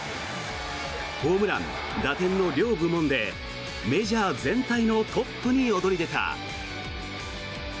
ホームラン・打点の両部門でメジャー全体のトップに躍り出た。